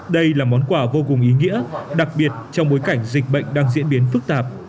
đây là món quà vô cùng ý nghĩa đặc biệt trong bối cảnh dịch bệnh đang diễn biến phức tạp